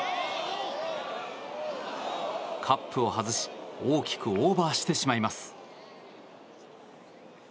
カップを外し大きくオーバーしてしまいます。